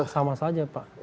sama saja pak